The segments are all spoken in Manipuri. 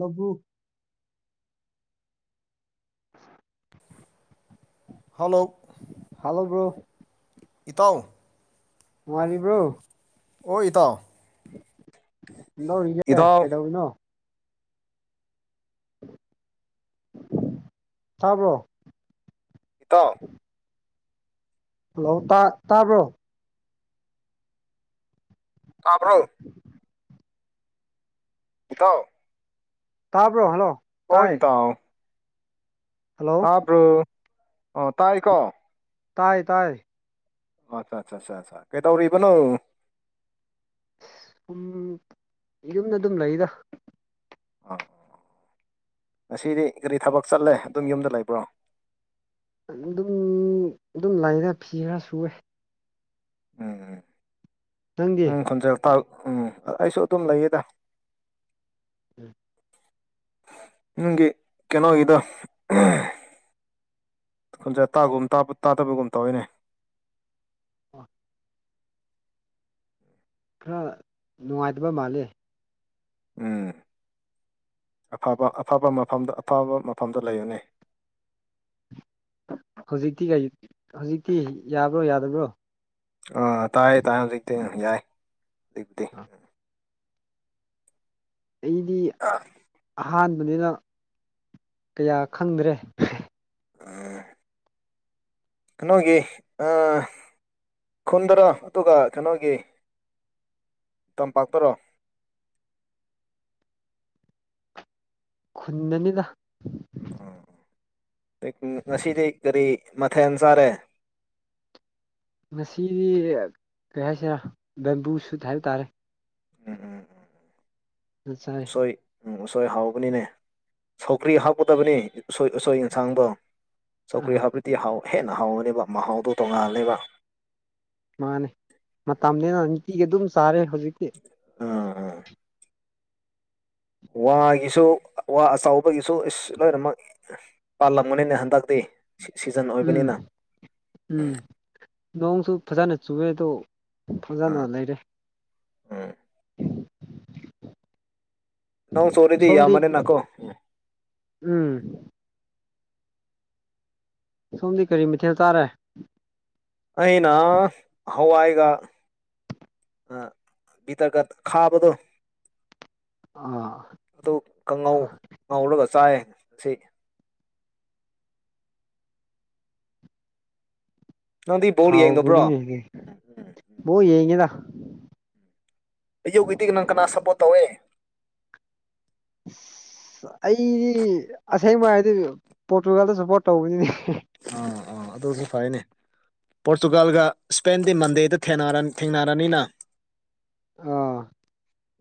ꯂꯥꯕꯨ ꯍꯜꯂꯣ ꯍꯣ ꯕ꯭ꯔꯣ ꯏꯇꯥꯎ ꯅꯨꯡꯉꯥꯏꯔꯤꯕ꯭ꯔꯣ ꯍꯣꯏ ꯏꯇꯥꯎ ꯅꯣꯔꯤꯒꯦ ꯏꯇꯥꯎ ꯀꯩꯗꯧꯔꯤꯅꯣ ꯇꯥꯕ꯭ꯔꯣ ꯏꯇꯥꯎ ꯍꯜꯂꯣ ꯇꯥ ꯇꯥꯕ꯭ꯔꯣ ꯇꯥꯕ꯭ꯔꯣ ꯏꯇꯥꯎ ꯇꯥꯕ꯭ꯔꯣ ꯍꯜꯂꯣ ꯍꯣꯏ ꯇꯥꯏ ꯏꯇꯥꯎ ꯍꯜꯂꯣ ꯇꯥꯕ꯭ꯔꯣ ꯑꯣ ꯇꯥꯏꯀꯣ ꯇꯥꯏ ꯇꯥꯏ ꯑꯥ ꯆꯥꯁꯥ ꯁꯥ ꯁꯥ ꯀꯩꯗꯧꯔꯤꯕꯅꯣ ꯎꯝ ꯌꯨꯝꯗ ꯑꯗꯨꯝ ꯂꯩꯗ ꯑꯥ ꯉꯁꯤꯗꯤ ꯀꯔꯤ ꯊꯕꯛ ꯆꯠꯂꯦ ꯑꯗꯨꯝ ꯌꯨꯝꯗ ꯂꯩꯕ꯭ꯔꯣ ꯗꯨꯝ ꯑꯗꯨꯝ ꯂꯩꯔꯦ ꯐꯤ ꯈꯔ ꯁꯨꯔꯦ ꯎꯝ ꯎꯝ ꯅꯪꯗꯤ ꯅꯪ ꯈꯣꯟꯖꯦꯜ ꯇꯥ ꯎꯝ ꯑꯩꯁꯨ ꯑꯗꯨꯝ ꯂꯩꯌꯦꯗ ꯎꯝ ꯅꯪꯒꯤ ꯀꯩꯅꯣꯒꯤꯗꯣ ꯈꯣꯟꯖꯦꯜ ꯇꯥꯒꯨꯝ ꯇꯥꯗꯕꯒꯨꯝ ꯇꯧꯋꯦꯅꯦ ꯈꯔ ꯅꯨꯡꯉꯥꯏꯇꯕ ꯃꯥꯜꯂꯦ ꯎꯝ ꯑꯐꯕ ꯑꯐꯕ ꯃꯐꯝꯗ ꯑꯐꯕ ꯃꯐꯝꯗ ꯂꯩꯌꯣꯅꯦ ꯍꯧꯖꯤꯛꯇꯤ ꯀꯩ ꯍꯧꯖꯤꯛꯇꯤ ꯌꯥꯕ꯭ꯔꯣ ꯌꯥꯗꯕ꯭ꯔꯣ ꯑꯥ ꯇꯥꯏꯌꯦ ꯇꯥꯏꯜ ꯍꯧꯖꯤꯛꯇꯤ ꯌꯥꯏ ꯍꯧꯖꯤꯛꯇꯤ [unintelligible] ꯑꯩꯗꯤ [unintelligible] ꯑꯍꯥꯟꯕꯅꯤꯅ ꯀꯌꯥ ꯈꯪꯗ꯭ꯔꯦ [unintelligible] ꯀꯅꯣꯒꯤ ꯑꯥ ꯈꯨꯟꯗꯔꯣ ꯑꯗꯨꯒ ꯀꯩꯅꯣꯒꯤ ꯇꯝꯄꯥꯛꯇꯔꯣ ꯈꯨꯟꯗꯅꯤꯗ ꯉꯁꯤꯗꯤ ꯀꯥꯔꯤ ꯃꯊꯦꯜ ꯆꯥꯔꯦ ꯉꯁꯤꯗꯤ ꯀꯩ ꯍꯥꯏꯁꯤꯔꯥ ꯕꯦꯝꯕꯨ ꯁꯨꯠ ꯍꯥꯏ ꯇꯥꯔꯦ ꯎꯝ ꯎꯝ ꯆꯥꯏ ꯎꯁꯣꯏ ꯎꯝ ꯎꯁꯣꯏ ꯍꯥꯎꯕꯅꯤꯅꯦ ꯁꯧꯒ꯭ꯔꯤ ꯍꯥꯞꯀꯗꯕꯅꯤ ꯎꯁꯣꯏ ꯎꯁꯣꯏ ꯌꯦꯟꯁꯥꯡꯗꯣ ꯑ ꯆꯧꯀ꯭ꯔꯤ ꯍꯥꯞꯄꯇꯤ ꯍꯥꯎ ꯍꯦꯟꯅ ꯍꯥꯎꯔꯅꯦꯕ ꯃꯍꯥꯎꯗꯣ ꯇꯣꯡꯉꯥꯜꯂꯦꯕ ꯃꯥꯅꯦ ꯃꯇꯝꯅꯤꯅ ꯅꯨꯡꯇꯤꯒꯤ ꯑꯗꯨꯝ ꯆꯥꯔꯦ ꯍꯧꯖꯤꯛꯇꯤ [unintelligible] ꯋꯥꯒꯤꯁꯨ ꯋꯥ ꯑꯆꯧꯕꯒꯤꯁꯨ ꯏꯁ ꯂꯣꯏꯅꯃꯛ ꯄꯥꯜꯂꯝꯒꯅꯤꯅꯦ ꯍꯟꯗꯛꯇꯤ ꯁꯤꯖꯟ ꯎꯝ ꯑꯣꯏꯕꯅꯤꯅꯥ ꯎꯝ ꯅꯣꯡꯁꯨ ꯐꯥꯖꯅ ꯆꯨꯋꯦ ꯑꯗꯨ ꯐꯥꯖꯅ ꯑꯥ ꯂꯩꯔꯦ ꯎꯝ ꯅꯣꯡ ꯆꯨꯔꯤꯗꯤ ꯁꯣꯝꯗꯤ ꯌꯥꯝꯕꯅꯦꯅꯀꯣ ꯎꯝ ꯁꯣꯝꯗꯤ ꯀꯔꯤ ꯃꯊꯦꯜ ꯆꯥꯔꯦ ꯑꯩꯅ ꯍꯋꯥꯏꯒ ꯒꯤꯇ꯭ꯔꯒ ꯈꯥꯕꯗꯣ ꯑꯥ ꯑꯗꯨ ꯀꯪꯉꯧ ꯉꯧꯔꯒ ꯆꯥꯏ ꯉꯥꯁꯤ ꯅꯪꯗꯤ ꯕꯣꯜ ꯌꯦꯡꯗꯕ꯭ꯔꯣ ꯍꯥꯎꯕꯅꯤꯅꯦ ꯗꯨꯗꯤ ꯎꯝ ꯕꯣꯜ ꯌꯦꯉꯤꯔꯥ [unintelligible] ꯀꯅꯥ ꯁꯞꯄꯣꯔꯠ ꯇꯧꯋꯦ ꯑꯩꯗꯤ ꯑꯁꯦꯡꯕꯥ ꯍꯥꯏꯔꯗꯤ ꯄ꯭ꯔꯣꯇꯨꯒꯜꯗ ꯁꯞꯄꯣꯔꯠ ꯇꯧꯕꯅꯤꯅꯦ ꯑꯥ ꯑꯥ ꯑꯗꯨꯁꯨ ꯐꯥꯔꯦꯅꯦ ꯄ꯭ꯔꯣꯇꯨꯒꯜꯒ ꯏꯁꯄꯦꯟꯗꯤ ꯃꯟꯗꯦꯗ ꯊꯦꯅꯔ ꯊꯦꯡꯅꯔꯅꯤꯅꯥ ꯑꯥ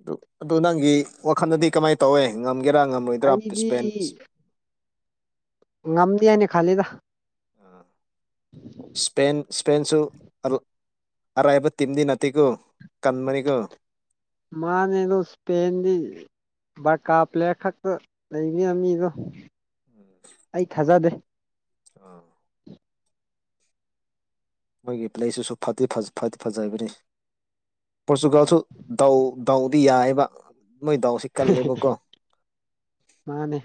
ꯑꯗꯨ ꯑꯗꯨ ꯅꯪꯒꯤ ꯋꯥꯈꯜꯗꯥꯗꯤ ꯀꯃꯥꯏꯅ ꯇꯧꯋꯦ ꯉꯝꯒꯦꯔꯥ ꯉꯝꯃꯣꯏꯗ꯭ꯔꯥ ꯑꯩꯗꯤ ꯏꯁꯄꯦꯟ ꯉꯝꯗꯦ ꯍꯥꯏꯅ ꯈꯜꯂꯤꯗꯥ [inaudible] ꯏꯁꯄꯦꯟ ꯏꯁꯄꯦꯟꯁꯨ ꯑꯔꯥꯏꯕ ꯇꯤꯝꯗꯤ ꯅꯠꯇꯦꯀꯣ ꯀꯟꯕꯥꯅꯤꯀꯣ ꯃꯥꯟꯅꯦ ꯑꯗꯨ ꯏꯁꯄꯦꯟꯗꯤ ꯕꯔꯀꯥ ꯄ꯭ꯂꯦꯌꯔ ꯈꯛꯇ ꯂꯩꯃꯤꯔ ꯃꯤꯗꯣ ꯑꯩ ꯊꯥꯖꯗꯦ꯫ ꯑꯥ ꯃꯣꯏꯒꯤ ꯄ꯭ꯂꯦꯁꯤꯁꯨ ꯐꯗꯤ ꯐꯗꯤ ꯐꯖꯕꯅꯤ ꯄꯣꯔꯇꯨꯒꯜꯁꯨ ꯗꯥꯎ ꯗꯥꯎꯗꯤ ꯌꯥꯏꯌꯦꯕꯥ ꯃꯣꯏ ꯗꯥꯎꯁꯤ ꯀꯜꯂꯦꯕꯀꯣ ꯃꯥꯅꯦ꯫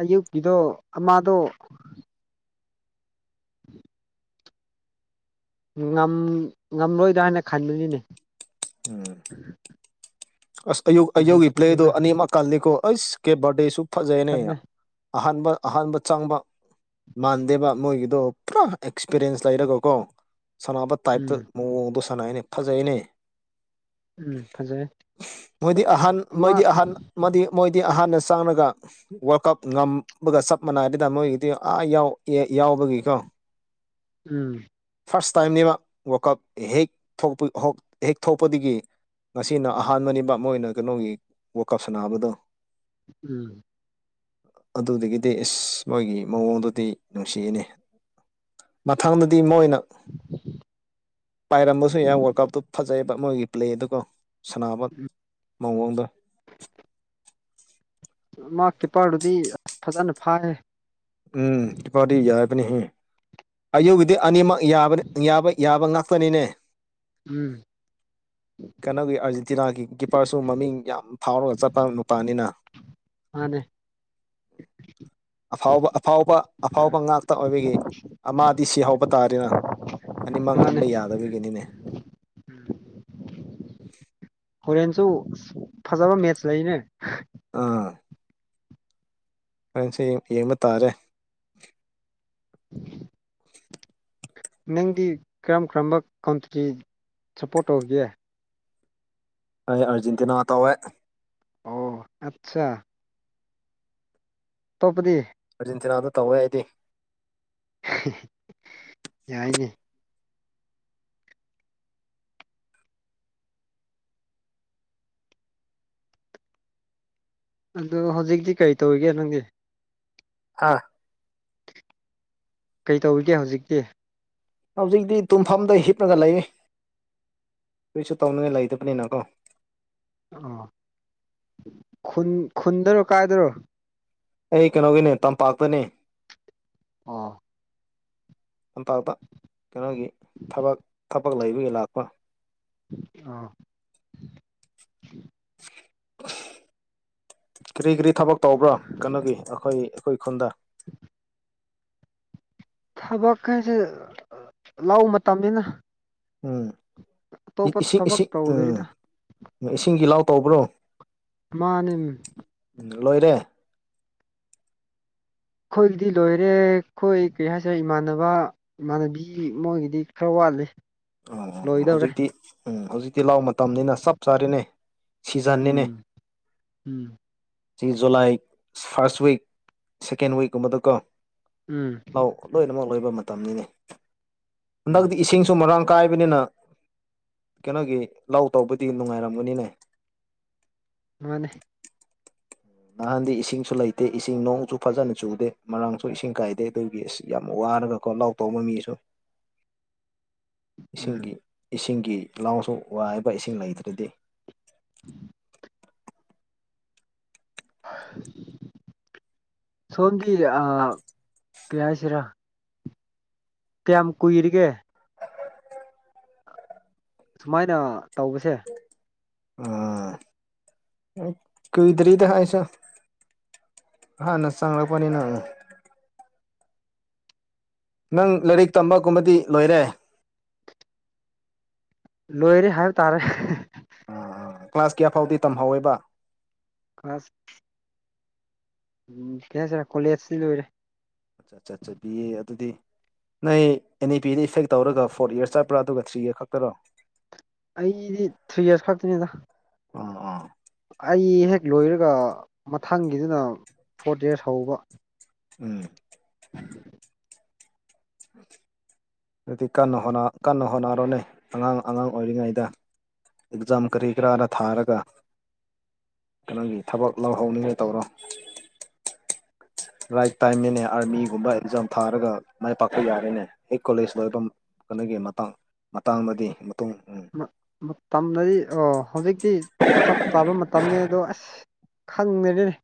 ꯑꯌꯨꯛꯀꯤꯗꯣ ꯑꯃꯥꯗꯣ [inaudible] ꯉꯝ ꯉꯝꯂꯣꯏꯗ꯭ꯔꯥ ꯍꯥꯏꯅ ꯈꯟꯕꯅꯤꯅꯦ ꯎꯝ ꯑꯁ ꯑꯌꯨꯛ-ꯑꯌꯧꯒꯤ ꯄ꯭ꯂꯦꯗꯣ ꯅꯝꯐꯨꯅ ꯑꯅꯤꯃꯛ ꯀꯜꯂꯦꯀꯣ ꯑꯁ ꯀꯦꯄꯤꯕꯔꯗꯦꯁꯨ ꯐꯥꯖꯩꯅꯦ ꯈꯜꯂꯦ ꯑꯍꯥꯟꯕ ꯑꯍꯥꯟꯕ ꯆꯪꯕ ꯃꯥꯟꯗꯦꯕ ꯃꯣꯏꯒꯤꯗꯣ ꯄꯨꯔꯥ ꯑꯦꯛꯁꯄꯤꯔꯤꯌꯦꯟꯁ ꯂꯩꯔꯒꯀꯣ ꯁꯥꯟꯅꯕ ꯇꯥꯏꯞꯇ ꯎꯝ ꯃꯑꯣꯡꯗꯣ ꯁꯥꯟꯅꯩꯅꯦ ꯐꯖꯩꯅꯦ꯫ ꯑꯝ ꯐꯖꯩꯌꯦ꯫ ꯃꯣꯏꯗꯤ ꯑꯍꯥꯟ ꯃꯣꯏꯗꯤ ꯑꯍꯥꯟ ꯃꯣꯏꯗꯤ ꯃꯣꯏꯗꯤ ꯑꯍꯥꯟꯅ ꯆꯡꯔꯥꯒ ꯋꯥꯂꯔꯜ ꯀꯞ ꯉꯝꯕꯒ ꯆꯞ ꯃꯥꯟꯅꯗꯦꯗꯥ ꯃꯣꯏꯒꯤꯗꯤ ꯑꯥ ꯌꯥꯎꯕꯒꯤꯀꯣ ꯎꯝ ꯐꯥꯔꯁ ꯇꯥꯏꯝꯅꯦꯕ ꯋꯥꯔꯀꯞ ꯍꯦꯛ ꯊꯣꯛ ꯍꯦꯛ ꯊꯣꯄꯗꯒꯤ ꯉꯁꯤꯅ ꯑꯍꯥꯟꯕ ꯅꯤꯕ ꯃꯣꯏꯅ ꯀꯩꯅꯣꯒꯤ ꯋꯣꯀꯞ ꯁꯥꯟꯅꯥꯕꯗꯣ ꯎꯝ ꯑꯗꯨꯗꯥꯒꯤꯗꯤ ꯏꯁ ꯃꯣꯏꯒꯤ ꯃꯥꯑꯣꯡꯗꯨꯗꯤ ꯅꯨꯡꯁꯤꯅꯦ꯫ ꯃꯊꯪꯗꯗꯤ ꯃꯣꯏꯅ ꯄꯥꯏꯔꯝꯕꯁꯨ ꯌꯥ ꯋꯥꯜ ꯀꯞꯇꯣ ꯐꯖꯩꯕ ꯃꯣꯏꯒꯤ ꯄ꯭ꯂꯦꯗꯣꯀꯣ ꯁꯥꯟꯅꯕ ꯎꯝ ꯃꯑꯣꯡꯗꯣ ꯃꯥ ꯀꯤꯞꯄꯔꯗꯨꯗꯤ ꯑꯁ ꯐꯖꯅ ꯐꯥꯏꯍꯦ ꯑꯝ ꯏꯄꯥꯗꯤ ꯌꯥꯏꯕꯅꯤ ꯑꯌꯨꯛꯒꯤꯗꯤ ꯑꯅꯤꯃꯛ ꯌꯥ ꯌꯥꯕ ꯌꯥꯕ ꯉꯥꯛꯇꯅꯤꯅꯦ꯫ ꯎꯝ ꯀꯩꯅꯣꯒꯤ ꯑꯔꯖꯦꯟꯇꯤꯅꯥꯒꯤ ꯀꯤꯞꯄꯔꯁꯨ ꯃꯃꯤꯡ ꯌꯥꯝ ꯐꯥꯎꯔꯒ ꯆꯠꯄ ꯅꯨꯄꯥꯅꯤꯅꯥ ꯃꯥꯅꯦ꯫ ꯑꯐꯥꯎꯕ ꯑꯐꯥꯎꯕ ꯑꯐꯥꯎꯕ ꯉꯥꯛꯇ ꯑꯣꯏꯕꯒꯤ ꯑꯃ ꯗꯤ ꯁꯤ ꯍꯧꯕ ꯇꯥꯔꯦꯅ ꯑꯅꯤꯃꯛ ꯃꯥꯅꯦ ꯉꯝꯕ ꯌꯥꯗꯕꯒꯤꯅꯤꯅꯦ꯫ ꯍꯣꯔꯦꯟꯁꯨ ꯐꯥꯖꯕ ꯃꯦꯠꯆꯁ ꯂꯩꯅꯦ꯫ ꯑꯥ ꯉꯁꯤ ꯌꯦꯡꯕ ꯇꯥꯔꯦ꯫ [inaudible] ꯅꯪꯗꯤ ꯀꯔꯝ ꯀꯔꯝꯕ ꯀꯟꯇ꯭ꯔꯤ ꯁꯞꯄꯣꯔꯠ ꯇꯧꯒꯦ꯫ ꯑꯩ ꯑ꯭ꯔꯖꯦꯟꯇꯤꯅꯥ ꯇꯧꯋꯦ꯫ ꯑꯣ ꯑꯠꯆꯥ ꯑꯥꯇꯣꯞꯄꯥꯗꯤ ꯑꯔꯖꯦꯟꯇꯤꯅꯥꯗ ꯇꯧꯋꯦ ꯑꯩꯗꯤ ꯌꯥꯏꯅꯦ꯫ ꯑꯗꯣ ꯍꯧꯖꯤꯛꯇꯤ ꯀꯔꯤ ꯇꯧꯔꯤꯒꯦ ꯅꯪꯗꯤ ꯍꯥꯥ ꯀꯩ ꯇꯧꯔꯤꯒꯦ ꯍꯧꯖꯤꯛꯇꯤ ꯍꯧꯖꯤꯛꯇꯤ ꯇꯨꯝꯐꯝꯗ ꯍꯤꯞꯂꯒ ꯂꯩ ꯀꯩꯁꯨ ꯇꯧꯅꯤꯡꯉꯥꯏ ꯂꯩꯇꯕꯅꯤꯅ ꯀꯣ ꯑꯣ ꯈꯨꯟ ꯈꯨꯟꯗꯔꯣ ꯀꯥꯏꯗꯔꯣ? ꯑꯩ ꯀꯩꯅꯣꯒꯤꯅꯦ ꯇꯝꯄꯥꯛꯇꯅꯦ꯫ ꯑꯥ ꯂꯝꯝꯄꯥꯛꯇ ꯀꯩꯅꯣꯒꯤ ꯊꯕꯛ ꯊꯕꯛ ꯂꯩꯕꯒꯤ ꯂꯥꯛꯄ ꯑꯥ ꯀꯔꯤ ꯀꯔꯤ ꯊꯕꯛ ꯇꯧꯕ꯭ꯔꯥ ꯀꯩꯅꯣꯒꯤ ꯑꯩꯈꯣꯏ ꯑꯩꯈꯣꯏ ꯈꯨꯟꯗ ꯊꯕꯛ ꯍꯥꯏꯩꯁꯦ ꯂꯧ ꯃꯇꯝꯅꯤꯅ ꯎꯝ ꯑꯇꯣꯞꯄ ꯏꯁꯤꯡ ꯊꯕꯛ ꯏꯁꯤꯡ ꯎꯝ ꯇꯧꯗ꯭ꯔꯤꯗ ꯎꯝ ꯏꯁꯤꯡꯒꯤ ꯏ ꯂꯥꯎ ꯇꯧꯕ꯭ꯔꯣ ꯃꯥꯅꯤ ꯎꯝ ꯂꯣꯏꯔꯦ ꯑꯩꯈꯣꯏꯒꯤꯗꯤ ꯂꯣꯏꯔꯦ ꯑꯩꯈꯣꯏ ꯀꯩ ꯍꯥꯏꯁꯦ ꯏꯃꯥꯟꯅꯕ ꯏꯃꯥꯟꯅꯕꯤ ꯃꯣꯏꯒꯤꯗꯤ ꯈꯔ ꯋꯥꯠꯂꯤ ꯑ ꯂꯣꯏꯗꯧꯔꯦ ꯍꯧꯖꯤꯛꯇꯤ ꯎꯝ ꯍꯧꯖꯤꯛꯇꯤ ꯂꯧ ꯃꯇꯝꯅꯤꯅ ꯆꯞ ꯆꯥꯔꯤꯅꯦ ꯁꯤꯖꯥꯟꯅꯦꯅꯦ ꯎꯝ ꯎꯝ ꯁꯤ ꯖꯨꯂꯥꯏ ꯐꯥꯔꯁ ꯋꯤꯛ ꯁꯦꯀꯦꯟ ꯋꯤꯛꯀꯨꯝꯕꯗꯀꯣ ꯎꯝ ꯂꯧ ꯂꯣꯏꯅꯃꯛ ꯂꯣꯏꯕ ꯃꯇꯝꯅꯤꯅꯤ ꯎꯝ ꯍꯟꯗꯛꯇꯤ ꯏꯁꯤꯡꯁꯨ ꯃꯔꯥꯡ ꯑ ꯀꯥꯏꯕꯅꯤꯅ ꯀꯩꯅꯣꯒꯤ ꯂꯧ ꯇꯧꯕꯗꯤ ꯅꯨꯡꯉꯥꯏꯔꯃꯅꯤꯅꯦ ꯃꯥꯅꯦ ꯅꯍꯥꯟꯗꯤ ꯏꯁꯤꯡꯁꯨ ꯂꯩꯇꯦ ꯏꯁꯤꯡ ꯅꯣꯡꯁꯨ ꯐꯖꯅ ꯆꯨꯗꯦ ꯃꯔꯥꯡꯁꯨ ꯏꯁꯤꯡ ꯀꯥꯏꯗꯦ ꯑꯗꯨꯒꯤ ꯑꯁ ꯌꯥꯝ ꯋꯥꯔꯒ ꯀꯣ ꯂꯥꯎ ꯇꯧꯕ ꯃꯤꯁꯨ [inaudible] ꯏꯁꯤꯡꯒꯤ ꯎꯝ ꯏꯁꯤꯡꯒꯤ ꯏ ꯂꯥꯎꯁꯨ ꯋꯥꯏꯕ ꯏꯁꯤꯡ ꯂꯩꯇ꯭ꯔꯗꯤ [inaudible] ꯁꯣꯝꯗꯤ ꯑ ꯀꯌꯥ ꯁꯤꯔ ꯀꯌꯥꯝ ꯀꯨꯏꯔꯒꯦ ꯁꯨꯃꯥꯏꯅ ꯇꯧꯕꯁꯦ ꯑ ꯀꯏꯗꯔꯤꯗ ꯍꯥꯏꯁꯣ ꯍꯥꯟ ꯅ ꯆꯥꯡꯒꯂ ꯄꯅꯤꯅ ꯅꯪ ꯂꯥꯏꯔꯤꯛ ꯇꯝꯕꯒꯨꯝꯕꯗꯤ ꯂꯣꯏꯔꯦ ꯂꯣꯏꯔꯦ ꯍꯥꯏꯕ ꯇꯥꯔꯦ ꯎꯝ ꯀ꯭ꯂꯥꯁ ꯀꯌꯥ ꯐꯥꯎꯗꯤ ꯇꯝꯍꯧꯋꯦꯕ ꯈꯁ ꯎꯝ ꯀꯤꯁꯔꯦ ꯀꯣꯂꯦꯖꯇꯤ ꯂꯣꯏꯔꯦ ꯆꯠ ꯆꯠ ꯆꯠꯕꯤꯌꯦ ꯑꯗꯨꯗꯤ ꯅꯩ ꯑꯦꯟ ꯏ ꯄꯤꯗ ꯏꯐꯦꯛ ꯇꯧꯔꯒ ꯐꯣꯔ ꯌꯔ ꯆꯠꯄ꯭ꯔꯥ ꯑꯗꯨꯒ ꯊ꯭ꯔꯤꯌꯔ ꯈꯛꯇꯔꯣ ꯑꯩꯗꯤ ꯊ꯭ꯔꯤ ꯌꯔꯁ ꯈꯛꯇꯅꯤꯗ ꯑ ꯑꯥ ꯑꯩ ꯍꯦꯛ ꯂꯣꯏꯔꯒ ꯃꯊꯪꯒꯤꯗꯨꯅ ꯐꯣꯔ ꯗꯦꯁ ꯍꯧꯕ ꯎꯝ [unintelligible] ꯑꯗꯨꯗꯤ ꯀꯟꯅ ꯀꯟꯅ ꯍꯣꯠꯅꯔꯣꯅꯦ ꯑꯉꯥꯡ ꯑꯉꯥꯡ ꯑꯣꯏꯔꯤꯉꯩꯗ ꯑꯦꯛꯖꯥꯝ ꯀꯔꯤ ꯀꯔꯥꯗꯥ ꯊꯥꯔꯒ ꯀꯩꯅꯣꯒꯤ ꯊꯕꯛ ꯂꯧꯍꯧꯅꯤꯡꯉꯥꯏ ꯇꯧꯔꯣ ꯔꯥꯏꯠ ꯇꯥꯏꯝꯅꯤꯅꯦ ꯑꯥꯔꯃꯤꯒꯨꯝꯕ ꯑꯦꯛꯖꯥꯝ ꯊꯥꯔꯒ ꯃꯥꯏ ꯄꯥꯛꯄ ꯌꯥꯔꯦꯅꯦ ꯍꯦꯛ ꯀꯣꯂꯦꯖ ꯂꯣꯏꯕ ꯈꯨꯟꯗꯒꯤ ꯃꯇꯥꯡ ꯃꯇꯥꯡ ꯑꯃꯗꯤ ꯃꯇꯝꯗꯗꯤ ꯍꯧꯖꯤꯛꯇꯤ ꯆꯞ ꯆꯥꯕ ꯇꯝꯅꯦ ꯑꯗꯣ ꯑꯁ ꯈꯪꯗꯔꯦꯗꯥ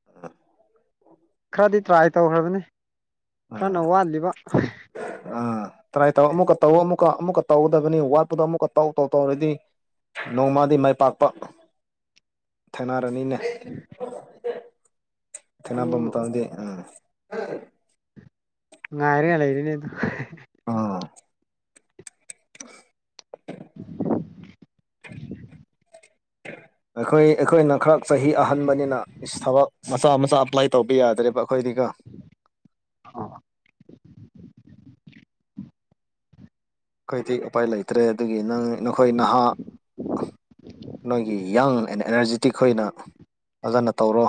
[unintelligible] ꯈꯔꯗꯤ ꯇ꯭ꯔꯥꯏ ꯇꯧꯈ꯭ꯔꯕꯅꯤ ꯑꯥ ꯈꯔꯅ ꯋꯥꯠꯂꯤꯕ ꯑꯥ ꯇꯔꯥꯏ ꯇꯧ ꯑꯃꯨꯛꯀ ꯇꯧ ꯑꯃꯨꯛꯀ ꯑꯃꯨꯛꯀ ꯇꯧꯒꯗꯕꯅꯤ ꯋꯥꯠꯄꯗꯣ ꯑꯃꯨꯛꯀ ꯇꯧ ꯇꯧ ꯇꯧꯔꯗꯤ ꯅꯣꯡꯃꯗꯤ ꯃꯥꯏ ꯄꯥꯛꯄ ꯊꯦꯡꯅꯔꯅꯤꯅꯦ ꯑꯗꯨ ꯊꯦꯡꯅꯕ ꯃꯇꯝꯗꯤ ꯎꯝ [unintelligible] ꯉꯥꯏꯔꯒ ꯂꯩꯔꯦꯅꯦꯗ ꯑꯥ [inaudible] ꯑꯩꯈꯣꯏ ꯑꯩꯈꯣꯏꯅ ꯈꯔ ꯆꯍꯤ ꯑꯍꯟꯕꯅꯤꯅ ꯊꯕꯛ ꯃꯆꯥ ꯃꯆꯥ ꯑꯄ꯭ꯂꯥꯏ ꯇꯧꯕ ꯌꯥꯗ꯭ꯔꯦꯕ ꯑꯩꯈꯣꯏꯗꯤ ꯀꯣ ꯑꯣ ꯑꯩꯈꯣꯏꯗꯤ ꯎꯄꯥꯏ ꯂꯩꯇ꯭ꯔꯦ ꯑꯗꯨꯒꯤ ꯅꯪ ꯅꯈꯣꯏ ꯅꯍꯥ ꯅꯣꯏꯒꯤ ꯌꯪ ꯑꯦꯟ ꯑꯦꯅꯔꯖꯦꯇꯤꯛ ꯈꯣꯏꯅ ꯐꯖꯅ ꯇꯧꯔꯣ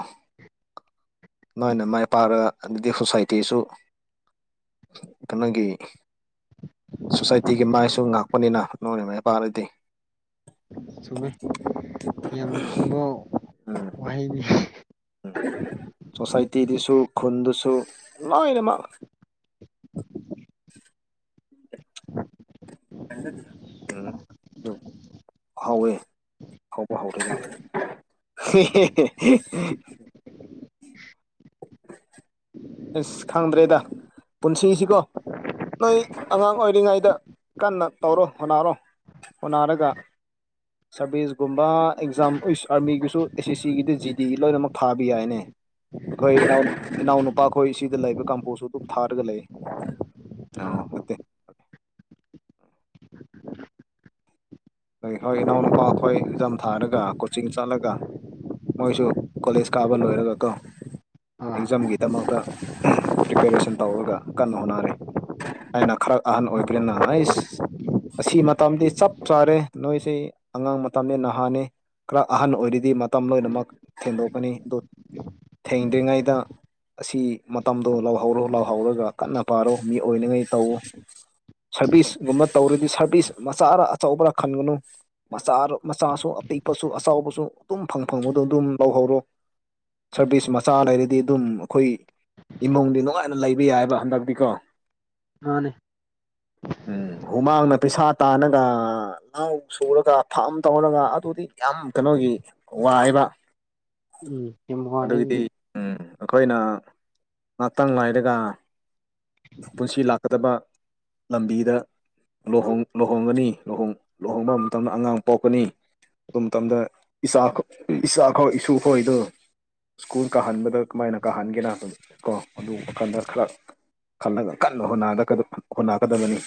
ꯅꯣꯏꯅ ꯃꯥꯏ ꯄꯥꯛꯔ ꯑꯗꯨꯗꯤ ꯁꯣꯁꯥꯏꯇꯤꯁꯨ ꯀꯩꯅꯣꯒꯤ ꯁꯣꯁꯥꯏꯇꯤꯒꯤ ꯃꯥꯏꯁꯨ ꯉꯥꯛꯄꯅꯤꯅ ꯅꯣꯏꯅ ꯃꯥꯏꯄꯥꯛꯔꯥꯗꯤ ꯆꯨꯝꯃꯦ ꯌꯥꯝ ꯆꯨꯝꯕ ꯋꯥꯍꯩꯅꯤ ꯎꯝ ꯁꯣꯁꯥꯏꯇꯤꯗꯨꯁꯨ ꯈꯨꯟꯗꯨꯁꯨ ꯂꯣꯏꯅꯃꯛ [unintelligible] ꯍꯧꯋꯦ ꯍꯧꯕ [unintelligible] [unintelligible] [inaudible] ꯑꯁ ꯈꯪꯗ꯭ꯔꯦꯗ ꯄꯨꯟꯁꯤꯁꯤꯀꯣ ꯅꯣꯏ ꯑꯉꯥꯡ ꯑꯣꯏꯔꯤꯉꯩꯗ ꯀꯟꯅ ꯇꯧꯔꯣ ꯍꯣꯠꯅꯔꯣ ꯍꯣꯠꯅꯔꯒ [inaudible] ꯁꯔꯚꯤꯁꯀꯨꯝꯕ ꯑꯦꯛꯖꯥꯝ ꯎꯁ ꯑꯥꯔꯃꯤꯒꯤꯁꯨ ꯑꯦꯁ ꯑꯦꯁ ꯁꯤꯒꯤꯗꯤ ꯖꯤ ꯗꯤꯒꯤ ꯂꯣꯏꯅꯃꯛ ꯊꯥꯕ ꯌꯥꯏꯅꯦ ꯑꯩꯈꯣꯏ ꯏꯅꯥꯎ ꯏꯅꯥꯎꯅꯨꯄꯥ ꯈꯣꯏ ꯁꯤꯗ ꯂꯩꯕ ꯀꯝꯄꯣꯁꯨ ꯑꯗꯨꯝ ꯊꯥꯔꯒ ꯂꯩ ꯑꯥ ꯑꯣ ꯅꯠꯇꯦ ꯈꯣꯏ ꯍꯣꯏ ꯏꯅꯥꯎꯅꯨꯄꯥ ꯈꯣꯏ ꯑꯦꯛꯖꯥꯝ ꯊꯥꯔꯒ ꯀꯣꯆꯤꯡ ꯆꯠꯂꯒ ꯃꯣꯏꯁꯨ ꯀꯣꯂꯦꯖ ꯀꯥꯕ ꯂꯣꯏꯔꯒꯀꯣ ꯑꯥ ꯑꯦꯛꯖꯥꯝꯒꯤꯗꯃꯛꯇ ꯄ꯭ꯔꯤꯄꯦꯔꯦꯁꯟ ꯇꯧꯔꯒ ꯀꯟꯅ ꯍꯣꯠꯅꯔꯦ ꯑꯩꯅ ꯈꯔ ꯑꯍꯟ ꯑꯣꯏꯕꯅꯤꯅ ꯑꯩꯁ ꯑꯁꯤ ꯃꯇꯝꯗꯤ ꯆꯞ ꯆꯥꯔꯦ ꯅꯣꯏꯁꯦ ꯑꯉꯥꯡ ꯃꯇꯝꯅꯦ ꯅꯍꯥꯅꯦ ꯈꯔ ꯑꯍꯟ ꯑꯣꯏꯔꯤꯗꯤ ꯃꯇꯝ ꯂꯣꯏꯅꯃꯛ ꯊꯦꯡꯗꯣꯛꯀꯅꯤ ꯑꯗꯨ ꯊꯦꯡꯗ꯭ꯔꯤꯉꯩꯗ ꯑꯁꯤ ꯃꯇꯝꯗꯣ ꯂꯥꯎꯍꯧꯔꯣ ꯂꯥꯎꯍꯧꯔꯒ ꯀꯟꯅ ꯄꯥꯔꯣ ꯃꯤ ꯑꯣꯏꯅꯉꯩ ꯇꯧꯑꯣ ꯁꯔꯚꯤꯁꯒꯨꯝꯕ ꯇꯧꯔꯗꯤ ꯁꯔꯚꯤꯁ ꯃꯆꯥꯔ ꯑꯆꯧꯕꯔꯥ ꯈꯟꯒꯅꯨ ꯃꯆꯥ ꯃꯆꯥꯁꯨ ꯑꯄꯤꯛꯄꯁꯨ ꯑꯆꯥꯎꯕꯁꯨ ꯑꯗꯨꯝ ꯐꯪ ꯐꯪꯕꯗꯣ ꯑꯗꯨꯝ ꯂꯧꯍꯧꯔꯣ ꯁꯔꯚꯤꯁ ꯃꯆꯥ ꯂꯩꯔꯗꯤ ꯑꯗꯨꯝ ꯑꯩꯈꯣꯏ ꯏꯃꯨꯡꯗꯤ ꯅꯨꯡꯉꯥꯏꯅ ꯂꯩꯕ ꯌꯥꯏꯌꯦꯕ ꯍꯟꯗꯛꯇꯤꯀꯣ ꯃꯥꯅꯦ ꯎꯝ ꯍꯨꯃꯥꯡꯅ ꯄꯩꯁꯥ ꯇꯥꯅꯒ ꯉꯥꯎ ꯁꯨꯔꯒ ꯐꯥꯝ ꯇꯧꯔꯒ ꯑꯗꯨꯗꯤ ꯌꯥꯝ ꯀꯩꯅꯣꯒꯤ ꯋꯥꯏꯕ ꯎꯝ [unintelligible] ꯑꯗꯨꯒꯤꯗꯤ ꯎꯝ ꯑꯩꯈꯣꯏꯅ ꯉꯥꯛꯇꯪ ꯂꯥꯏꯔꯒ ꯄꯨꯟꯁꯤ ꯂꯥꯛꯀꯗꯕ ꯂꯝꯕꯤꯗꯨ ꯂꯣꯍꯣꯡ ꯂꯨꯍꯣꯡꯒꯅꯤ ꯂꯨꯍꯣꯡ ꯂꯨꯍꯣꯡꯕ ꯃꯇꯝꯗ ꯑꯉꯥꯡ ꯄꯣꯛꯀꯅꯤ ꯑꯗꯨ ꯃꯇꯝꯗ ꯏꯁꯥ ꯏꯁꯥ ꯈꯣꯏ ꯏꯁꯨ ꯈꯥꯏꯗꯣ ꯁ꯭ꯀꯨꯜ ꯀꯥꯍꯟꯕꯗ ꯀꯃꯥꯏꯅ ꯀꯥꯍꯟꯒꯦꯅ ꯀꯣ ꯑꯗꯨ ꯋꯥꯈꯜꯗ ꯈꯔ ꯈꯜꯂꯒ ꯀꯟꯅ ꯍꯣꯠꯅꯥ ꯍꯣꯠꯅꯒꯗꯕꯅꯤ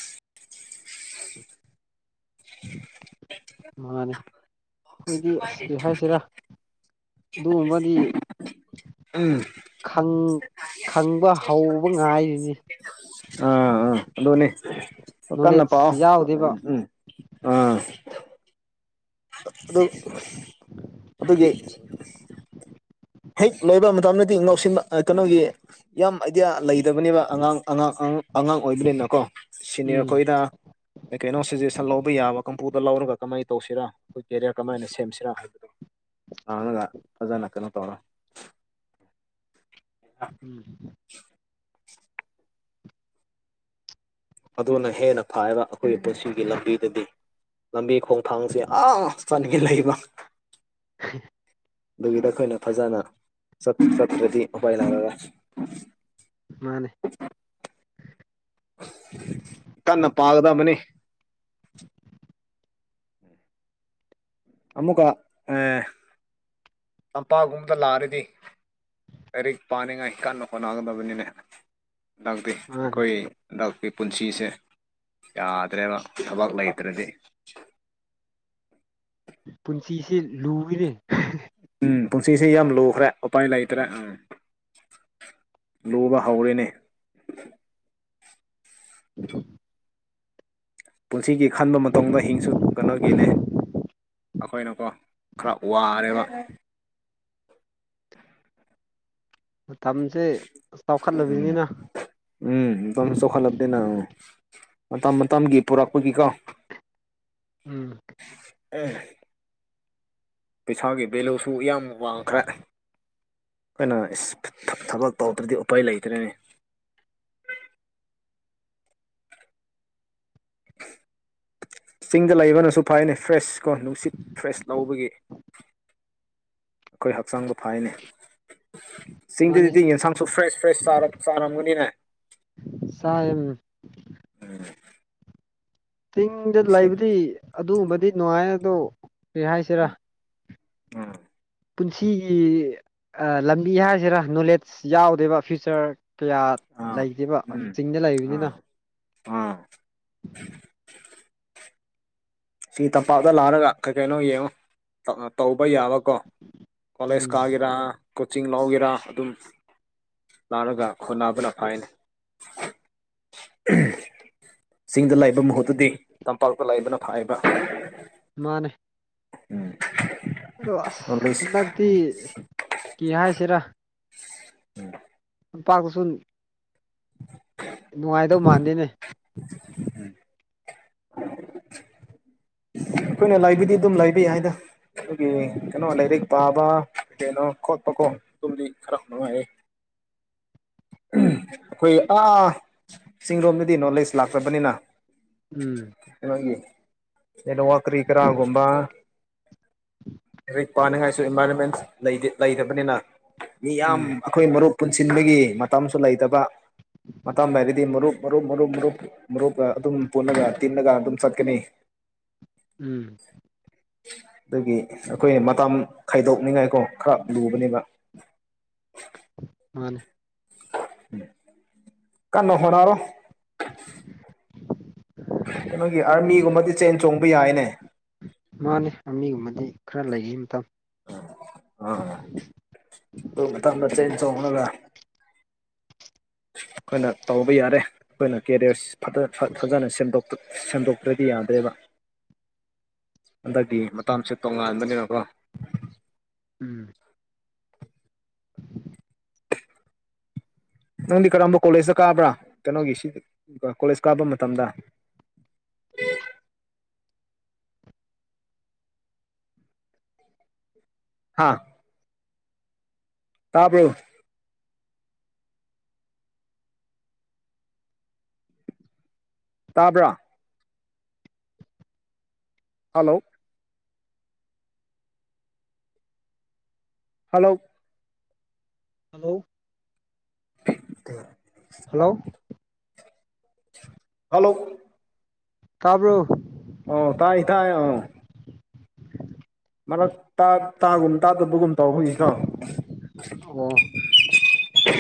[inaudible] ꯃꯥꯅꯦ ꯑꯩꯈꯣꯏꯗꯤ ꯑꯁ ꯀꯩ ꯍꯥꯏꯁꯤꯔꯥ ꯑꯗꯨꯒꯨꯝꯕꯗꯤ ꯎꯝ ꯈꯪ ꯈꯪꯕ ꯍꯧꯕ ꯉꯥꯏꯔꯤꯅꯤ ꯑꯗꯨꯅꯦ ꯀꯟꯅ ꯄꯥꯎ ꯅꯣꯂꯦꯖ ꯌꯥꯎꯗꯦꯕ ꯎꯝ ꯑ ꯑꯗꯨ ꯑꯗꯨꯒꯤ ꯍꯦꯛ ꯂꯣꯏꯕ ꯃꯇꯝꯗꯗꯤ ꯉꯧꯁꯤꯟꯕ ꯑ ꯀꯩꯅꯣꯒꯤ ꯌꯥꯝ ꯑꯥꯏꯗꯤꯌꯥ ꯂꯩꯇꯕꯅꯦꯕ ꯑꯉꯥꯡ ꯑꯉꯥꯡ ꯑꯉꯥꯡ ꯑꯣꯏꯕꯅꯤꯅꯀꯣ ꯁꯤꯅꯤꯌꯔ ꯎꯝ ꯈꯣꯏꯗ ꯀꯩꯅꯣ ꯀꯩꯅꯣ ꯁꯖꯦꯁꯟ ꯂꯧꯕ ꯌꯥꯕ ꯀꯥꯝꯄꯨꯇ꯭ꯔ ꯂꯧꯔꯒ ꯀꯃꯥꯏꯅ ꯇꯧꯁꯤꯔꯥ ꯑꯩꯈꯣꯏ ꯀꯦꯔꯤꯌꯔ ꯀꯃꯥꯏꯅ ꯁꯦꯝꯁꯤꯔꯥ ꯍꯥꯏꯕꯗꯨ ꯍꯪꯑꯒ ꯐꯖꯅ ꯀꯩꯅꯣ ꯇꯧꯔ ꯎꯝ [unintelligible] ꯑꯗꯨꯅ ꯍꯦꯟꯅ ꯐꯩꯌ‌ꯦꯕ ꯑꯩꯈꯣꯏꯒꯤ ꯄꯨꯟꯁꯤꯒꯤ ꯂꯝꯕꯤꯗꯗꯤ ꯂꯝꯕꯤ ꯈꯣꯡꯊꯥꯡꯁꯦ ꯑ ꯆꯠꯅꯤꯡꯉꯥꯏ ꯂꯩꯕ ꯑꯗꯨꯒꯤꯗ ꯑꯩꯈꯣꯏꯅ ꯐꯖꯅ ꯆꯠ ꯆꯠꯇꯔꯗꯤ ꯎꯄꯥꯏ ꯂꯩꯔ‌ꯣꯏꯌ‌ꯦ ꯃꯥꯅꯦ ꯀꯟꯅ ꯄꯥꯒꯗꯕꯅꯤ ꯑꯃꯨꯛꯀ ꯑꯥ ꯑꯝꯄꯥꯛꯒꯨꯝꯕꯗ ꯂꯥꯛꯔꯗꯤ ꯂꯥꯥꯏꯔꯤꯛ ꯄꯥꯅꯤꯡꯉꯥꯏ ꯀꯥꯟꯅ ꯍ‌ꯣꯠꯅꯥꯗꯕꯅꯤꯅꯦ ꯗꯥꯛꯇꯤ ꯃꯥꯅꯦ ꯑꯩꯈꯣꯏ ꯗꯥꯞꯀꯤ ꯄꯨꯟꯁꯤꯁꯦ ꯌꯥꯗ꯭ꯔꯦꯕ ꯊꯕꯛ ꯂꯩꯇ꯭ꯔꯗꯤ ꯄꯨꯟꯁꯤꯁꯦ ꯂꯨꯏꯌ‌ꯦꯅꯦ ꯎꯝ ꯄꯨꯟꯁꯤꯁ‌ꯦ ꯌꯥꯝ ꯂꯨꯈ꯭ꯔꯦ ꯎꯄꯥꯏ ꯂꯩꯇ꯭ꯔꯦ ꯎꯝ ꯂꯨꯕ ꯍꯧꯔꯦꯅꯦ [unintelligible] ꯄꯨꯟꯁꯤꯒꯤ ꯈꯟꯕ ꯃꯇꯨꯡꯗ ꯍꯤꯡꯁꯨ ꯀꯩꯅ‌ꯣꯒꯤꯅꯦ ꯑꯩꯈꯣꯏꯅꯀꯣ ꯈꯔ ꯋꯥꯔꯦꯕ ꯃꯇꯝꯁꯦ ꯆꯥꯎꯈꯠꯂꯕꯅꯤꯅ ꯎꯝꯝ ꯃꯇ‌ꯝꯁ‌ꯦ ꯆꯥꯎꯈꯠꯂꯕꯅꯤꯅ ꯃꯇꯝ ꯃꯇꯝꯒꯤ ꯄꯨꯔꯛꯄꯒꯤꯀꯣ ꯎꯝ ꯑ‌ꯦ ꯄꯩꯁꯥꯒꯤ ꯚꯦꯂꯨꯁꯨ ꯌꯥꯝ ꯋꯥꯡꯈ꯭ꯔꯦ ꯑꯩꯈꯣꯏꯅ ꯏꯁ ꯊꯥ ꯊꯥ ꯊꯕꯛ ꯇꯧꯗ꯭ꯔꯗꯤ ꯎꯄꯥꯏ ꯂꯩꯇ꯭ꯔ‌ꯦꯅ‌ꯦ ꯆꯤꯡꯗ ꯂꯩꯕꯅꯁꯨ ꯐꯩꯌ‌ꯦꯅꯦ ꯐ꯭ꯔꯦꯁ ꯀꯣ ꯅꯨꯡꯁꯤꯠ ꯐ꯭ꯔꯦꯁ ꯂꯧꯕꯒꯤ ꯑꯩꯈꯣꯏ ꯍꯛꯆꯥꯡꯗ ꯐꯩ‌ꯌ‌ꯦꯅ‌ꯦ ꯃꯥꯅꯦ ꯆꯤꯡꯗꯗꯤ ꯌꯦꯟꯁꯥꯡꯁꯨ ꯐ꯭ꯔꯦꯁ ꯐ꯭ꯔꯦꯁ ꯆꯥꯔꯝ ꯆꯥꯔꯝꯒꯅꯤꯅꯦ ꯆꯥꯏꯌ‌ꯦ ꯑꯗꯨꯅꯤ ꯆꯤꯡꯗ ꯁꯤ ꯂꯩꯕꯗꯤ ꯑꯗꯨꯒꯨꯝꯕꯗꯤ ꯅꯨꯡꯉꯥꯏ ꯑꯗꯣ ꯀꯔꯤ ꯍꯥꯏꯁꯤꯔꯥ ꯎꯝ ꯎꯝ ꯄꯨꯟꯁꯤꯒꯤ ꯑꯥ ꯂꯝꯕꯤ ꯍꯥꯏꯁꯤꯔ ꯅꯣꯂꯦꯖ ꯌꯥꯎꯗꯦꯕ ꯐ꯭ꯌꯨꯆꯔ ꯀꯌꯥ ꯑꯥ ꯂꯩꯇꯦꯕ ꯎꯝ ꯆꯤꯡꯗ ꯂꯩꯕꯅꯤꯅ ꯑꯥ ꯑꯥ ꯁꯤ ꯇꯝꯄꯥꯛꯇ ꯂꯥꯛꯔꯒ ꯀꯩ ꯀꯩꯅꯣ ꯌꯦꯡꯉꯣ ꯇꯧꯕ ꯌꯥꯕꯀꯣ ꯀ‌ꯣꯂꯦꯖ ꯎꯝ ꯀꯒ‌ꯦꯔ ꯀꯣꯆꯤꯡ ꯂꯧꯒꯦꯔꯥ ꯑꯗꯨꯝ ꯂꯥꯛꯔꯒ ꯈꯟꯅꯕꯅ ꯐꯩꯌ‌ꯦꯅ‌ꯦ ꯆꯤꯡꯗ ꯂꯩꯕ ꯃꯍꯨꯠꯇꯗꯤ ꯇꯝꯄꯥꯛꯇ ꯂꯤꯕꯅ ꯐꯩ [unintelligible] ꯃꯥꯅꯦ ꯎꯝ ꯑꯗꯣ ꯑꯁ ꯍꯟꯗꯛꯇꯤ ꯀꯤ ꯍꯥꯏꯁꯤꯔꯥ [unintelligible] ꯇꯝꯄꯥꯥꯛꯇꯁꯨ [inaudible] [inaudible] ꯅꯨꯡꯉꯥꯏꯗꯧ ꯃꯥꯟꯗꯦꯅꯦ ꯎꯝ ꯑꯩꯈꯣꯏꯅ ꯂꯥꯏꯕꯤꯗꯤ ꯑꯗꯨꯝ ꯂꯕ ꯌꯥꯏ ꯍꯥꯏꯅ ꯑꯗꯨꯒꯤ ꯀꯩꯅꯣ ꯂꯥꯏꯔꯤꯛ ꯄꯥꯕ ꯀꯩꯅꯣ ꯈꯣꯠꯄꯀꯣ ꯑꯗꯨꯝꯗꯤ ꯈꯔ ꯅꯨꯡꯉꯥꯏꯌꯦ ꯑꯩꯈꯣꯏ ꯑꯥ ꯆꯤꯡꯔꯣꯝꯗꯗꯤ ꯅꯣꯂꯦꯖ ꯂꯥꯛꯇ꯭ꯔꯕꯅꯤꯅ ꯎꯝ [unintelligible] ꯀ꯭ꯔꯤ ꯀꯔꯥꯒꯨꯝꯕ ꯂꯥꯏꯔꯤꯛ ꯄꯥꯅꯤꯡꯉꯥꯏꯁꯨ ꯏꯟꯚꯥꯏꯔꯣꯟꯃꯦꯟ ꯂꯩꯇꯕꯅꯤꯅ ꯃꯤꯌꯥꯝ ꯎꯝ ꯑꯩꯈꯣꯏ ꯃꯔꯨꯞ ꯄꯨꯟꯁꯤꯟꯕꯒꯤ ꯃꯇꯝꯁꯨ ꯂꯩꯇꯕ ꯃꯇꯝꯥꯡ ꯍꯥꯏꯔꯗꯤ ꯃꯔꯨꯞ ꯃꯔꯨꯞ ꯃꯔꯨꯞ ꯃꯔꯨꯞ ꯃꯔꯨꯞꯀ ꯑꯗꯨꯝ ꯄꯨꯜꯂꯒ ꯇꯤꯟꯅꯒ ꯑꯗꯨꯝ ꯆꯠꯀꯅꯤ ꯎꯝ ꯑꯗꯨꯒꯤ ꯑꯩꯈꯣꯏꯅ ꯃꯇꯝ ꯈꯥꯏꯗꯣꯛꯅꯤꯡꯉꯥꯏꯀꯣ ꯈꯔ ꯂꯨꯕꯅꯦꯕ ꯃꯥꯅꯦ ꯀꯩꯅꯣ ꯍꯅꯔꯣ ꯀꯩꯅꯣꯏꯒꯤ ꯑꯥꯔꯃꯤꯒꯨꯝꯕꯗꯤ ꯆꯦꯟ ꯆꯣꯡꯕ ꯌꯥꯏꯅꯦ ꯃꯥꯅꯦ ꯃꯤꯒꯨꯝꯕꯗꯤ ꯈꯔ ꯂꯩꯈꯤ ꯃꯇꯝ ꯎꯝ ꯑꯥ ꯑꯩꯈꯣꯏ ꯃꯇꯝꯗ ꯆꯦꯟ ꯆꯣꯡꯅꯒ ꯑꯩꯈꯣꯏꯅ ꯇꯧꯕ ꯌꯥꯔꯦ ꯑꯩꯈꯣꯏꯅ ꯀꯦꯔꯤꯌꯔ ꯐ ꯐꯖꯅ ꯁꯦꯝꯗꯣꯛ ꯁꯟꯗꯣꯛꯇ꯭ꯔꯗꯤ ꯌꯥꯗꯦꯕ ꯑꯟꯗꯗꯤ ꯃꯇꯁꯦ ꯇꯣꯉꯥꯟꯕꯅꯤꯅꯀꯣ ꯎꯝ ꯅꯪꯗꯤ ꯀꯔꯝꯕ ꯀꯣꯂꯦꯖꯇ ꯀꯥꯕ꯭ꯔꯥ ꯀꯩꯅꯣꯒꯤ ꯁꯤ ꯀꯣꯂꯦꯖ ꯀꯥꯕ ꯃꯇꯝꯗ ꯍꯥꯥ ꯇꯥꯔꯕꯣ ꯇꯥꯕ꯭ꯔꯥ ꯍꯜꯂꯣ ꯍꯜꯂꯣ ꯍꯜꯂꯣ ꯇ ꯍꯜꯂꯣ ꯍꯜꯂꯣ ꯇꯥꯕ꯭ꯔꯣ ꯑꯣ ꯇꯥꯏ ꯇꯥꯏ ꯑ ꯃꯔꯛ ꯇꯥꯒꯨꯝ ꯇꯥꯗꯕꯒꯨꯝ ꯇꯧ ꯍꯧꯒꯤꯀꯣ ꯑꯣ ꯇꯣ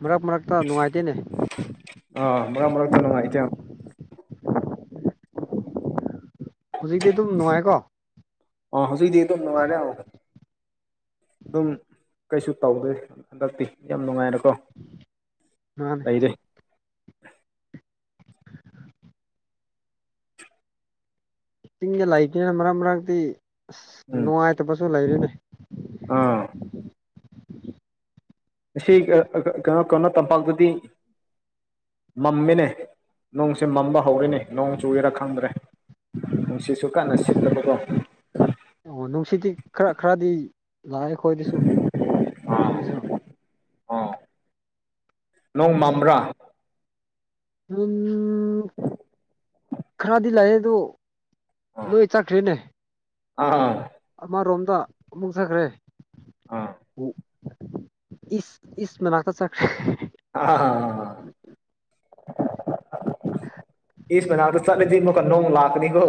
ꯃꯔꯛ ꯃꯔꯛꯇ ꯅꯨꯡꯉꯥꯏꯇꯦꯅꯦ ꯑꯥ ꯃꯔꯛ ꯃꯔꯛꯇ ꯅꯨꯡꯉꯥꯏ ꯀꯦ ꯍꯧꯖꯤꯛꯇꯤ ꯑꯗꯨꯝ ꯅꯨꯡꯉꯥꯏꯀꯣ ꯑ ꯍꯧꯖꯤꯛꯗꯤ ꯑꯗꯨꯝ ꯅꯨꯡꯉꯥꯏꯔꯦ ꯑꯃꯨꯛꯀ ꯑꯗꯨꯝ ꯀꯩꯁꯨ ꯇꯧꯗꯦ ꯍꯟꯗꯛꯇꯤ ꯌꯥꯝ ꯅꯨꯡꯉꯥꯏꯔꯦꯀꯣ ꯃꯥꯅꯦ ꯂꯩꯔꯦ ꯆꯤꯡꯗ ꯂꯩꯇꯦꯅ ꯃꯔꯛ ꯃꯔꯛꯇ ꯑꯁ ꯎꯝ ꯅꯨꯡꯉꯥꯏꯇꯕꯁꯨ ꯂꯩꯔꯤꯅꯦ ꯑꯥ ꯉ ꯀꯩꯅꯣ ꯀꯩꯅꯣ ꯇꯝꯄꯥꯛꯇꯗꯤ ꯃꯝꯃꯤꯅꯦ ꯅꯣꯡꯁꯦ ꯃꯝꯕ ꯍꯧꯔꯦꯅꯦ ꯅꯣꯡ ꯆꯨꯔꯦꯔꯥ ꯈꯪꯗ꯭ꯔꯦ ꯅꯨꯡꯁꯤꯠꯁꯨꯨ ꯀꯟꯅ ꯁꯤꯠꯂꯦꯕꯀꯣ ꯑꯣ ꯅꯨꯡꯁꯤꯠꯇꯤ ꯈꯔ ꯈꯔꯗꯤ ꯂꯥꯛꯑꯦ ꯑꯩꯈꯣꯏꯗꯁꯨ ꯆꯤꯡꯗꯁꯨ ꯑꯣ ꯅꯣꯡ ꯃꯪꯕ꯭ꯔꯥ ꯎꯝ ꯈꯔꯗꯤ ꯂꯥꯛꯑꯦ ꯑꯗꯣ ꯑꯥ ꯂꯣꯏ ꯆꯠꯈ꯭ꯔꯦꯅꯦ ꯑꯥ ꯑꯃꯔꯣꯝꯗ ꯑꯃꯨꯛ ꯆꯠꯈ꯭ꯔꯦ ꯑꯥ ꯏꯁ ꯏꯁ ꯃꯅꯥꯛꯇ ꯆꯠꯈ꯭ꯔꯦ ꯑ ꯍꯥ ꯍꯥꯍꯥ ꯑꯦꯛꯁ ꯃꯅꯥꯛꯇ ꯆꯠꯂꯗꯤꯀꯣ ꯅꯣꯡ ꯂꯥꯛꯀꯅꯤꯀꯣ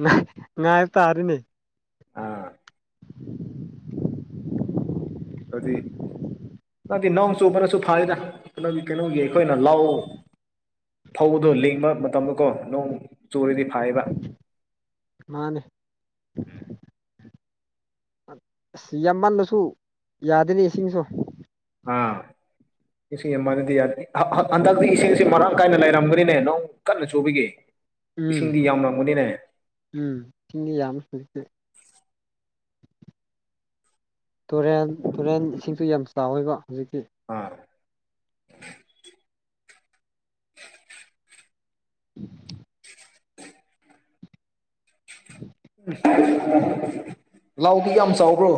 ꯉꯥꯏ ꯉꯥꯏ ꯇꯥꯔꯦꯅꯦ ꯑꯥ ꯑꯗꯨꯗꯤ ꯅꯗꯤ ꯅꯣꯡ ꯆꯨꯕꯅꯁꯨ ꯐꯔꯦꯗ ꯀꯩꯅꯣꯒꯤ ꯀꯩꯅꯣꯒꯤ ꯑꯩꯈꯣꯏꯅ ꯂꯧ ꯐꯧꯗꯣ ꯂꯤꯡꯕ ꯃꯇꯝꯗꯀꯣ ꯅꯣꯡ ꯆꯨꯨꯔꯗꯤ ꯐꯥꯏꯌꯦꯕ ꯃꯥꯅꯦ ꯑꯁ ꯌꯥꯝꯃꯜꯂꯁꯨ ꯌꯥꯗꯦꯅꯦ ꯏꯁꯤꯡꯁꯨ ꯑꯥ [inaudible] ꯏꯁꯤꯡ ꯌꯥꯝꯃꯜꯂꯗꯤ ꯌꯥꯗꯦ ꯍꯟꯗꯛꯇꯤ ꯏꯁꯤꯡꯁꯤ ꯃꯔꯥꯡ ꯀꯥꯏꯅ ꯂꯩꯔꯝꯒꯅꯤꯅꯦ ꯅꯣꯡ ꯀꯟꯅ ꯆꯨꯕꯤꯒꯦ ꯎꯝ ꯏꯁꯤꯡꯗꯤ ꯌꯥꯝ ꯅꯪꯕꯅꯤꯅꯦ ꯎꯝ ꯏꯁꯤꯡꯗꯤ ꯌꯥꯝꯃꯦ ꯍꯧꯖꯤꯛꯇꯤ ꯇꯨꯔꯦꯟ ꯇꯨꯔꯦꯟ ꯏꯁꯤꯡꯁꯨ ꯌꯥꯝ ꯆꯥꯎꯋꯦꯕ ꯍꯧꯖꯤꯛꯇꯤ ꯑꯥ [unintelligible] [inaudible] [unintelligible] [inaudible] ꯂꯧꯗꯤ ꯌꯥꯝ ꯆꯥꯎꯕ꯭ꯔꯣ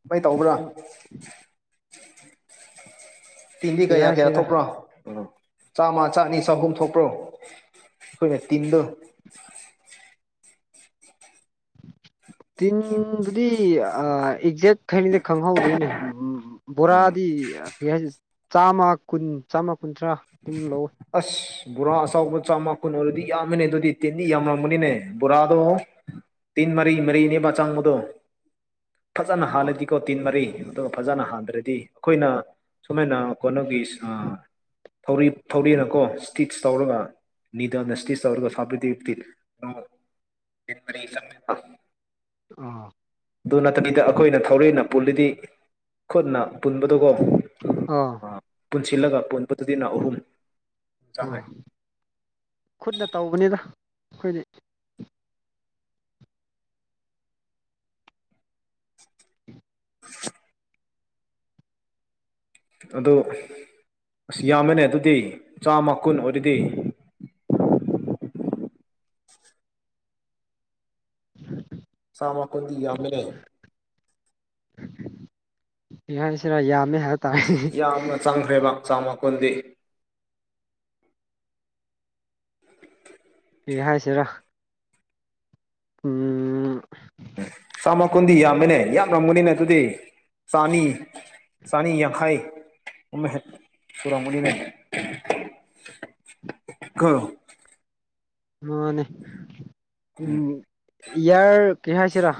ꯀꯃꯥꯏ ꯇꯧꯕ꯭ꯔꯥ ꯇꯤꯟꯗꯤ ꯀꯩ ꯀꯌꯥ ꯀꯌꯥ ꯍꯥꯏꯁꯤꯔꯥ ꯊꯣꯛꯄ꯭ꯔꯣ ꯎꯝ ꯆꯥꯝꯃ ꯆꯥꯅꯤ ꯆꯍꯨꯝ ꯊꯣꯛꯄ꯭ꯔꯣ ꯑꯩꯈꯣꯏꯅ ꯇꯤꯟꯗꯣ ꯇꯤꯟꯗꯨꯗꯤ ꯑ ꯑꯦꯛꯖꯦꯛ ꯈꯪꯗꯤ ꯈꯪꯍꯧꯗ꯭ꯔꯦꯅꯦ ꯎꯝ ꯎꯝ ꯕꯣꯔꯥꯗꯤ ꯀꯩ ꯍꯥꯏꯅꯤ ꯆꯥꯝꯃ ꯀꯨꯟ ꯆꯥꯝꯃ ꯀꯨꯟꯊ꯭ꯔꯥ ꯑꯗꯨꯝ ꯂꯧꯋꯦ ꯑꯁ ꯕꯣꯔꯥ ꯑꯆꯧꯕ ꯆꯥꯝꯃ ꯀꯨꯟ ꯑꯣꯏꯔꯗꯤ ꯌꯥꯝꯃꯤꯅꯦ ꯑꯗꯨꯗꯤ ꯇꯤꯟꯗꯤ ꯌꯥꯝꯔꯝꯃꯅꯤꯅꯦ ꯕꯣꯔꯥꯗꯣ ꯇꯤꯟ ꯃꯔꯤ ꯃꯔꯤꯅꯦꯕ ꯆꯪꯕꯗꯣ [inaudible] ꯐꯖꯅ ꯑꯥ ꯍꯥꯜꯂꯗꯤꯀꯣ ꯇꯤꯟ ꯃꯔꯤ ꯑꯗꯨꯒ ꯐꯖꯅ ꯍꯥꯟꯗ꯭ꯔꯗꯤ ꯑꯩꯈꯣꯏꯅ ꯁꯨꯃꯥꯏꯅ ꯀꯣꯟꯅꯒꯤ ꯁꯥ ꯊꯧꯔꯤ ꯊꯧꯔꯦꯅꯀꯣ ꯁꯇꯤꯆ ꯇꯧꯔꯒ ꯅꯤꯗꯜꯅ ꯁꯇꯤꯆ ꯇꯧꯔꯒ ꯁꯥꯕꯗꯤ ꯇꯤꯠ [unintelligible] ꯑ ꯑꯗꯨ ꯅꯠꯇꯕꯤꯗ ꯑꯩꯈꯣꯏꯅ ꯊꯧꯔꯤꯅ ꯄꯨꯜꯂꯤꯗꯤ ꯈꯨꯠꯅ ꯄꯨꯟꯕꯗꯨꯀꯣ ꯑꯥ ꯄꯨꯟꯁꯤꯜꯂꯒ ꯄꯨꯟꯕꯗꯨꯗꯤꯅ ꯑꯍꯨꯝ ꯆꯥꯡꯉꯦ ꯑꯥ ꯈꯨꯠꯅ ꯇꯧꯕꯅꯤꯗ ꯑꯩꯈꯣꯏꯗꯤ [inaudible] ꯑꯗꯨ ꯑꯁ ꯌꯥꯝꯃꯦꯅꯦ ꯑꯗꯨꯗꯤ ꯆꯥꯝꯃ ꯀꯨꯟ ꯑꯣꯏꯔꯗꯤ [inaudible] ꯆꯥꯝꯃ ꯀꯨꯟꯗꯤ ꯌꯥꯝꯃꯦꯅꯦ ꯀꯩ ꯍꯥꯏꯁꯤꯔ ꯌꯥꯝꯃꯦ ꯍꯥꯏꯕ ꯇꯥꯔꯦ ꯌꯥꯝꯅ ꯆꯪꯈ꯭ꯔꯦꯕ ꯆꯥꯝꯃ ꯀꯨꯟꯗꯤ ꯀ꯭ꯔꯤ ꯍꯥꯏꯁꯤꯔꯥ ꯎꯝ ꯆꯥꯝꯃ ꯀꯨꯟꯗꯤ ꯌꯥꯝꯃꯦꯅꯦ ꯌꯥꯝꯔꯝꯒꯅꯤꯅꯦ ꯑꯗꯨꯗꯤ ꯆꯥꯅꯤ ꯆꯥꯅꯤ ꯌꯥꯡꯈꯩ ꯑꯝꯍꯦꯛ ꯁꯨꯔꯝꯒꯅꯤꯅꯦ ꯀꯣ ꯃꯥꯅꯦ ꯎꯝ ꯌꯥꯔ ꯀꯩ ꯍꯥꯏꯁꯤꯔꯥ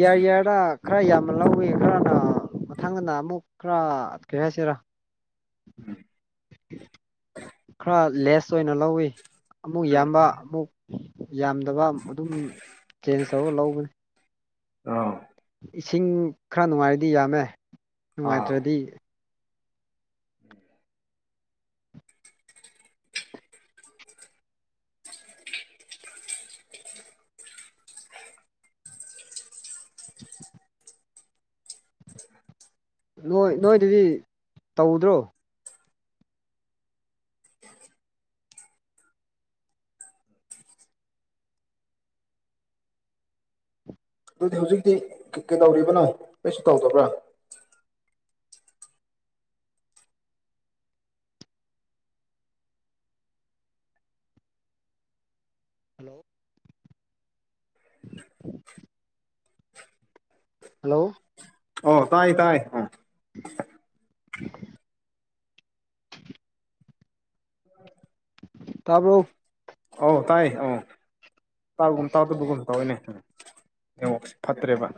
ꯌꯥꯏ ꯌꯥꯔꯥꯛ ꯈꯔ ꯌꯥꯝꯅ ꯂꯧꯒꯤ ꯈꯔꯅ ꯃꯊꯪꯗꯅ ꯑꯃꯨꯛ ꯈꯔ ꯀꯔꯤ ꯍꯥꯏꯁꯤꯔꯥ ꯈꯔ ꯂꯦꯁ ꯑꯣꯏꯅ ꯂꯧꯋꯤ ꯑꯃꯨꯛ ꯌꯥꯝꯕ ꯑꯃꯨꯛ ꯌꯥꯝꯗꯕ ꯑꯗꯨꯝ ꯆꯦꯟꯖ ꯇꯧꯔꯒ ꯂꯧꯕꯅꯤ ꯑꯥ ꯏꯁꯤꯡ ꯈ꯭ꯔ ꯅꯨꯡꯉꯥꯏꯔꯗꯤ ꯌꯥꯝꯃꯦ ꯅꯨꯡꯉꯥꯏꯇ꯭ꯔꯗꯤ ꯅꯣꯏ ꯅꯣꯏꯗꯗꯤ ꯇꯧꯗ꯭ꯔꯣ ꯑꯗꯨꯗꯤ ꯍꯧꯖꯤꯛꯇꯤ ꯀꯩ ꯀꯩꯗꯧꯔꯤꯕꯅꯣ ꯀꯩꯁꯨ ꯇꯧꯗꯕ꯭ꯔꯥ ꯍꯜꯂꯣ [inaudible] ꯍꯜꯂꯣ ꯑꯣ ꯇꯥꯏ ꯇꯥꯏ ꯑ [inaudible] ꯇꯥꯔ꯭ꯕꯣ ꯑꯧ ꯇꯥꯏ ꯑ ꯇꯥꯎꯒꯨꯝ ꯇꯥꯎꯗꯕꯨꯒꯨꯝ ꯇꯧꯏꯅꯦ ꯅꯦꯠꯋꯥꯛꯁꯦ ꯐꯠꯇ꯭ꯔꯦꯕ